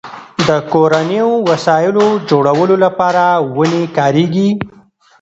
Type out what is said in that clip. د کورنیو وسایلو جوړولو لپاره ونې کارېږي.